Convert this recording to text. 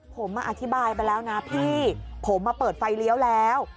ผมอธิบายไปแล้วนะพี่ผมมาเปิดไฟเลี้ยวแล้ว